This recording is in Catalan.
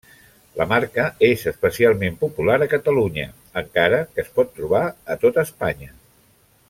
La marca és especialment popular a Catalunya, encara que es pot trobar a tot Espanya.